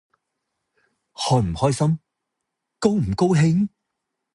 開唔開心？高唔高興？